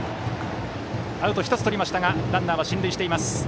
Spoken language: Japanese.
アウトを１つとりましたがランナー、進塁しています。